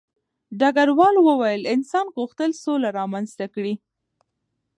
ډګروال وویل انسان غوښتل سوله رامنځته کړي